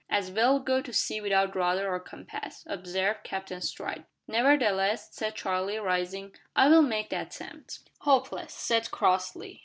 "As well go to sea without rudder or compass," observed Captain Stride. "Nevertheless," said Charlie, rising, "I will make the attempt." "Hopeless," said Crossley.